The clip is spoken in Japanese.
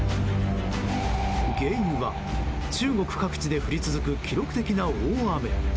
原因は中国各地で降り続く記録的な大雨。